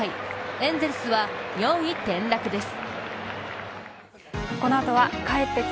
エンゼルスは４位転落です。